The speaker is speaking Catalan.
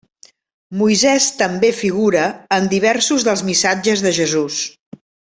Moisès també figura en diversos dels missatges de Jesús.